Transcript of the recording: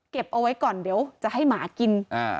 เอาไว้ก่อนเดี๋ยวจะให้หมากิน